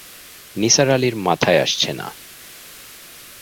নিসার আলির মাথায় আসছে না।